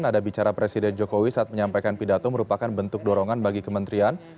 nada bicara presiden jokowi saat menyampaikan pidato merupakan bentuk dorongan bagi kementerian